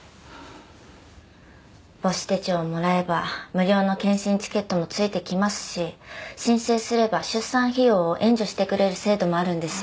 母子手帳をもらえば無料の健診チケットも付いてきますし申請すれば出産費用を援助してくれる制度もあるんですよ。